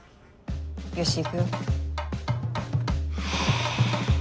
よし行くよ。